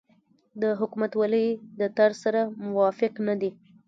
او حکومتولۍ د طرز سره موافق نه دي